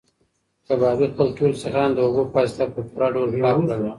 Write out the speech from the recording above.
کبابي خپل ټول سیخان د اوبو په واسطه په پوره ډول پاک کړل.